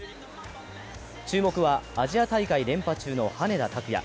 注目はアジア大会連覇中の羽根田卓也。